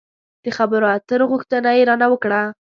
د خبرو اترو غوښتنه يې را نه وکړه.